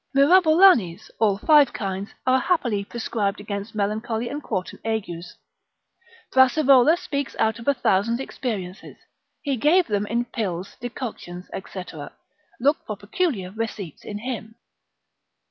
Mirabolanes, all five kinds, are happily prescribed against melancholy and quartan agues; Brassivola speaks out of a thousand experiences, he gave them in pills, decoctions, &c., look for peculiar receipts in him.